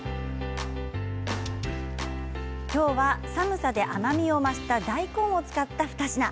今日は寒さで甘みも増した大根を使った２品。